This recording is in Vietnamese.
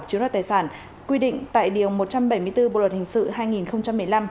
chiếm đoạt tài sản quy định tại điều một trăm bảy mươi bốn bộ luật hình sự hai nghìn một mươi năm